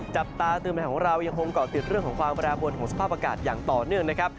จับตาเตือนภัยของเรายังคงเกาะติดเรื่องของความแปรปวนของสภาพอากาศอย่างต่อเนื่องนะครับ